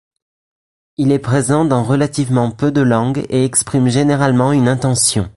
Il est présent dans relativement peu de langues et exprime généralement une intention.